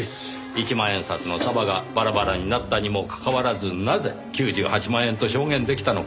一万円札の束がバラバラになったにもかかわらずなぜ９８万円と証言出来たのか。